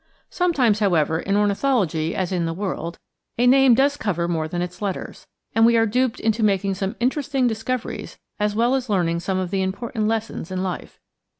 Sometimes, however, in ornithology as in the world, a name does cover more than its letters, and we are duped into making some interesting discoveries as well as learning some of the important lessons in life.